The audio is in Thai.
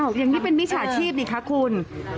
อ่าอ้าวอย่างนี้เป็นมิจฉาชีพดีคะคุณ